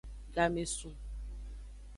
Game su.